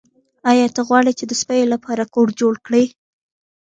ایا ته غواړې چې د سپیو لپاره کور جوړ کړې